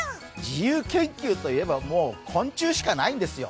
自由研究といえば、もう昆虫しかないんですよ。